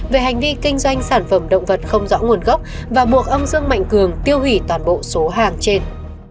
về hành vi kinh doanh sản phẩm động vật không rõ nguồn gốc và buộc ông dương mạnh cường tiêu hủy toàn bộ số hàng trên